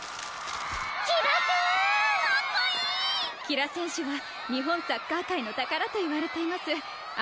吉良選手は日本サッカー界の宝といわれています。